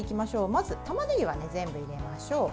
まず、たまねぎは全部入れましょう。